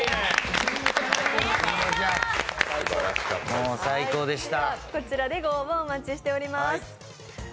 もう最高でした。